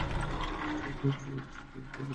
Chain ছিনতাই তার তুলনায় কিছুই না।